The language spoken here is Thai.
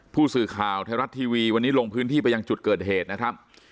ผู้สื่อข่าวไทยรัฐทีวีวันนี้ลงพื้นที่ไปยังจุดเกิดเหตุนะครับ